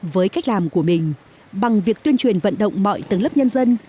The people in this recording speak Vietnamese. với cách làm của mình bằng việc tuyên truyền vận động mọi tầng lớp nhân dân